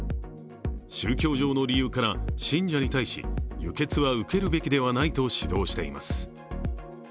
宗教上の理由から、信者に対し輸血は受けるべきではないと指導しています。